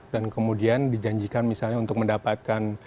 dan kemudian dijanjikan misalnya untuk mendapatkan